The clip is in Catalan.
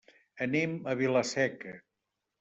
Anem a Vila-seca.